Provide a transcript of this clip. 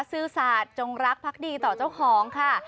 ซื่อสัตว์จงรักพักดีต่อเจ้าของค่ะ